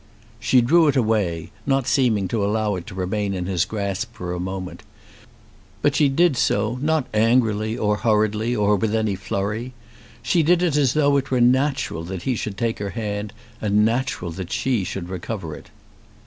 She drew it away, not seeming to allow it to remain in his grasp for a moment; but she did so, not angrily, or hurriedly, or with any flurry. She did it as though it were natural that he should take her hand and as natural that she should recover it.